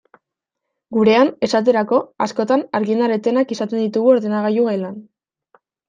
Gurean, esaterako, askotan argindar etenak izaten ditugu ordenagailu gelan.